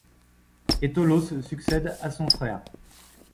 Étolos succède à son frère.